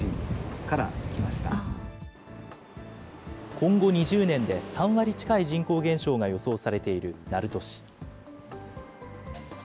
今後２０年で３割近い人口減少が予想されている鳴門市。